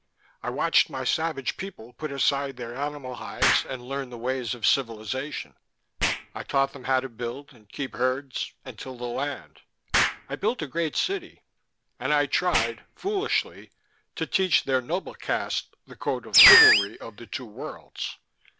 "I watched my savage people put aside their animal hides and learn the ways of civilization. I taught them how to build, and keep herds, and till the land. I built a great city, and I tried foolishly to teach their noble caste the code of chivalry of the Two Worlds.